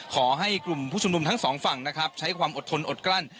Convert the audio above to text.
ขอให้กลุ่มผู้ชุมนุมทั้งสองฝั่งนะครับใช้ความอดทนอดกลั้น